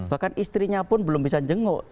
bahkan istrinya pun belum bisa jenguk